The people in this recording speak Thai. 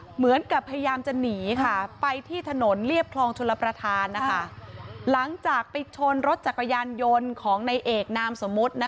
เหมือนกับพยายามจะหนีค่ะไปที่ถนนเรียบคลองชลประธานหลังจากไปชนรถจักรยานยนต์ของในเอกนามสมมุติ